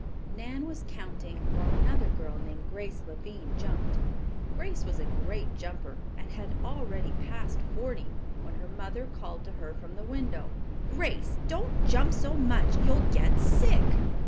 Nan was counting while another girl named Grace Lavine jumped, Grace was a great jumper and had already passed forty when her mother called to her from the window. "Grace, don't jump so much. You'll get sick."